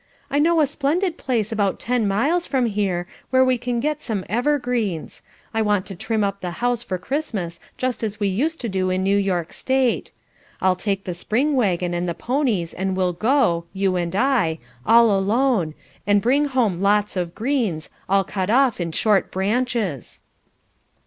"I know a splendid place about ten miles from here, where we can get some evergreens; I want to trim up the house for Christmas just as we used to in New York State. I'll take the spring waggon and the ponies, and we'll go you and I all alone, and bring home lots of greens, all cut off in short branches."